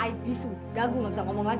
ibu nggak mau tahu dong